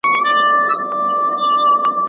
هغه ویښته